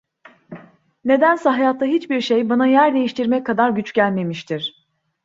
Nedense hayatta hiçbir şey bana yer değiştirmek kadar güç gelmemiştir.